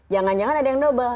jangan jangan ada yang double